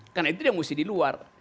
karena itu dia harus di luar